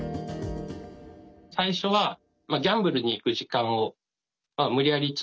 最初はギャンブルに行く時間を無理やりつぶすっていうかですね